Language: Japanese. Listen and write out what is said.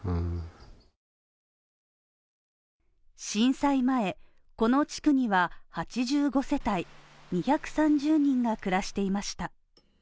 震災前、この地区には８５世帯、２３０人が暮らしていました。